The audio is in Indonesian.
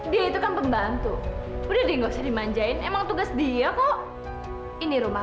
dia itu kan pembantu udah dikosongin manjain emang tugas dia kok ini rumah